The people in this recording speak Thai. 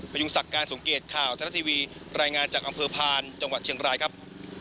ยุงศักดิ์การสมเกตข่าวทะละทีวีรายงานจากอำเภอพานจังหวัดเชียงรายครับ